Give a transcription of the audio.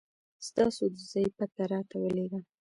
ستاسو د ځای پته راته ولېږه